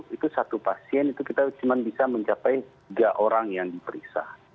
jadi satu pasien itu kita cuma bisa mencapai tiga orang yang diperiksa